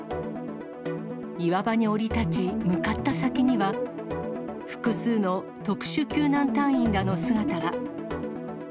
岩場に降り立ち、向かった先には、複数の特殊救難隊員らの姿が。